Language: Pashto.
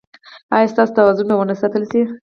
ایا ستاسو توازن به و نه ساتل شي؟